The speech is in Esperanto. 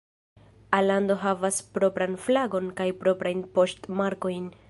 Alando havas propran flagon kaj proprajn poŝtmarkojn.